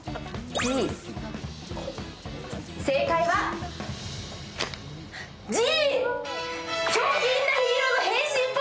正解はＧ！